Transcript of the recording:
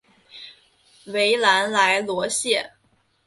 维兰莱罗谢。